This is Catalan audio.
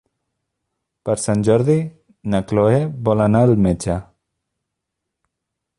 Per Sant Jordi na Cloè vol anar al metge.